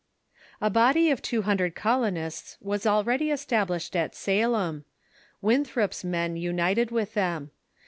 A body of two hundred colonists was already established at Salem. Winthrop's men united with them.